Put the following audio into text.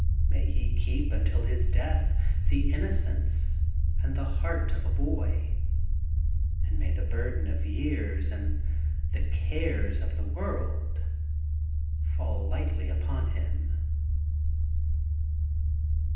May he keep until his death the innocence and the heart of a boy, and may the burden of years and the cares of the world fall lightly upon him I •